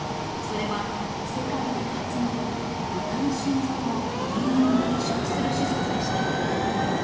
それは、世界で初のブタの心臓を人間に移植する手術でした。